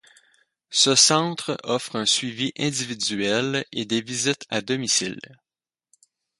Ce centre offre un suivi individuel et des visites à domicile.